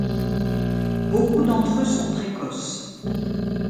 Beaucoup d'entre eux sont précoces.